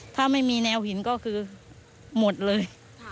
ถ้าไม่มีแนวหินก็คือหมดเลย